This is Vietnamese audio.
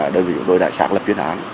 đơn vị của tôi đã sáng lập chuyến án